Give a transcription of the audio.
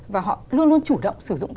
và họ luôn luôn chủ động sử dụng